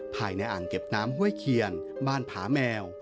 อ่างเก็บน้ำห้วยเคียนบ้านผาแมว